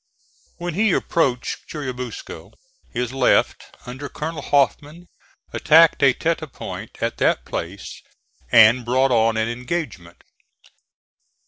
When he approached Churubusco his left, under Colonel Hoffman, attacked a tete de pont at that place and brought on an engagement.